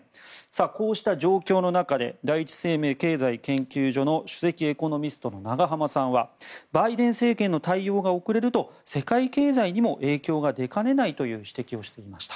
こうした状況の中で第一生命経済研究所の首席エコノミストの永濱さんはバイデン政権の対応が遅れると世界経済にも影響が出かねないという指摘をしていました。